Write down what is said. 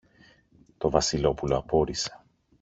Το Βασιλόπουλο απόρησε.